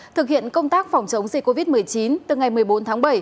thực hiện công tác phòng chống dịch covid một mươi chín từ ngày một mươi bốn tháng bảy